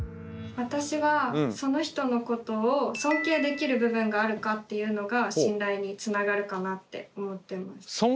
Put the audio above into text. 私はその人のことを尊敬できる部分があるかっていうのが信頼につながるかなって思ってます。